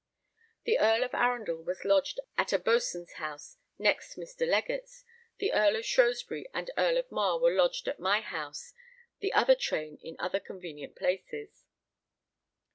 The Earl of Arundel was lodged at a boatswain's house next Mr. Legatt's, the Earl of Shrewsbury and Earl of Mar were lodged at my house, the other train in other convenient places.